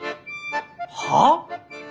はあ！？